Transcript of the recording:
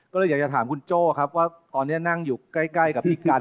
ก็เลยอยากจะถามคุณโจ้ครับว่าตอนนี้นั่งอยู่ใกล้กับพี่กัน